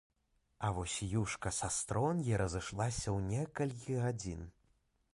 А вось юшка са стронгі разышлася ў некалькі гадзін.